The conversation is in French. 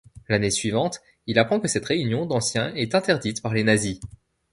L'année suivante, il apprend que cette réunion d’anciens est interdite par les Nazis.